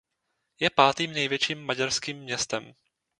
Je pátým největším maďarským městem.